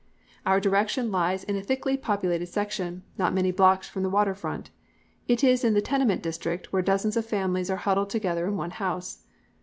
"Our direction lies in a thickly populated section, not many blocks from the water front. It is in the tenement district where dozens of families are huddled together in one house.